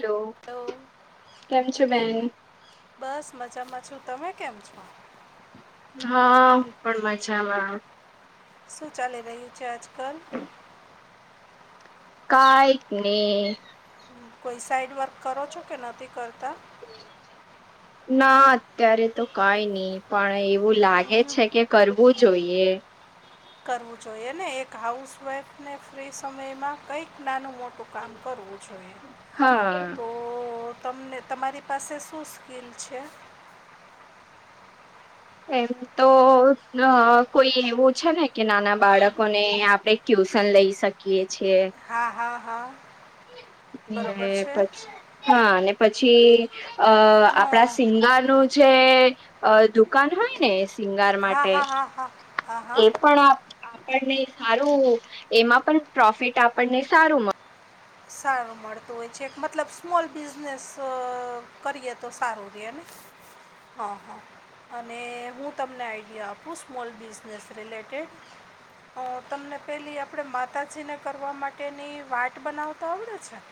Hello hello કેમ છો બેન બસ મજામાં છું તમે કેમ છો હા હું પણ મજામાં. શું ચાલી રહ્યું છે આજકાલ કાઈક ની કોઈ સાઈડ વર્ક કરો છો કે નથી કરતા ના અત્યારે તો કાઈ ની પણ એવું લાગે છે કે કરવું જોઈએ. કરવું જોઈએ ને એક હાઉસવાઈફ ને ફ્રી સમય માં કંઈક નાનું મોટું કામ કરવું જોઈએ હા તો તો તમને તમારી પાસે શું સ્કીલ છે એમ તો અ કોઈ એવું છે ને કે નાના બાળકોને આપડે ટ્યુશન લઈ શકીએ છે. હા હા હા અને બરોબર છે પછી હા અને પછી અ હા આપણા સિંગાર નું જે અ દુકાન હોય ને શિંગાર હા માટે હા હા હા હા હા એ પણ આપ આપણને હારું એમાં પણ પ્રોફિટ આપણને સારું મળે. સારું મળતું હોય છે એક મતલબ સ્મોલ બિઝનેસ કરીએ તો સારું રેને. હા હા અને હું તમને આઈડિયા આપું સ્મોલ બિઝનેસ રિલેટેડ હું તમને પેલી આપણે માતાજીને કરવા માટેની વાટ બનાવ તો આવડે છે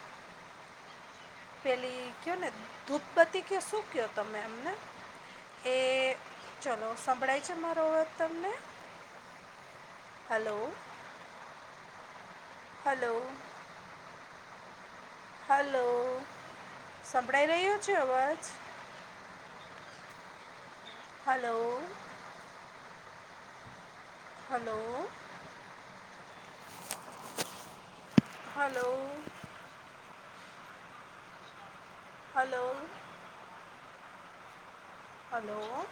પેલી કયો ને ધૂપપતી ક શું કયો તમે એમને એ ચલો સંંભળાય છે મારો અવાજ તમને હલો હલો હલો સંભળાઈ રહ્યો છે અવાજ hello hello hello hello. Hello.